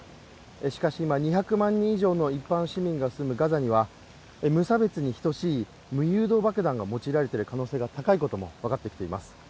しかし今２００万人以上の一般市民が住むガザには無差別に等しい無誘導爆弾が用いられる可能性が高いことも分かってきています